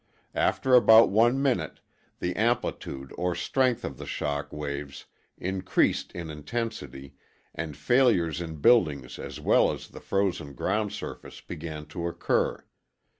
After about 1 minute the amplitude or strength of the shock waves increased in intensity and failures in buildings as well as the frozen ground surface began to occur....